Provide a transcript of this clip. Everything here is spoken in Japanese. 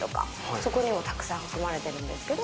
そこにもたくさん含まれてるんですけど。